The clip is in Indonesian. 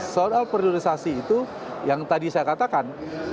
soal priorisasi itu yang tadi saya katakan